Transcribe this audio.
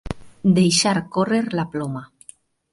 Deixar córrer la ploma.